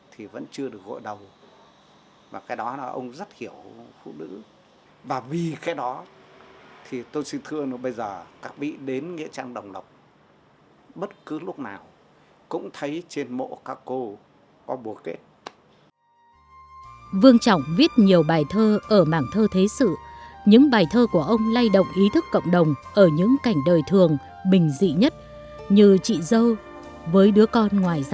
thì những người nào đang chạm đến cái điều ấy thì phải dừng lại